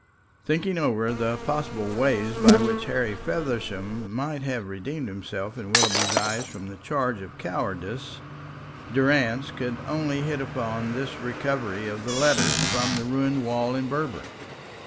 Thinking over the possible way by which Harry Feversham might have redeemed himself in Willoughby's eyes from the charge of cowardice, Durrance could only hit upon this recovery of the letters from the ruined wall in Berber.